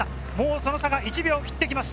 その差は１秒切ってきました。